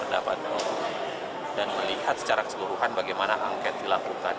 dan melihat secara keseluruhan bagaimana angket dilakukan